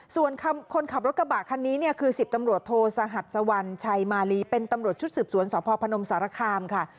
ส่วนคนขับรถกระบะคันนี้เนี่ยคือ๑๐ตำรวจโทสหัสสวรรณชัยมาลีเป็นตำรวจชุดสืบสวนสพพนมสารคามค่ะ